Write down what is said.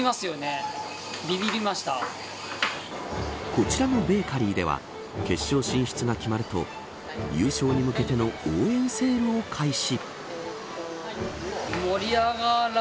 こちらのベーカリーでは決勝進出が決まると優勝に向けての応援セールを開始。